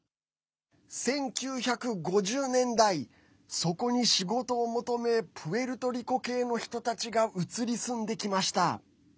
１９５０年代、そこに仕事を求めプエルトリコ系の人たちが移り住んできました。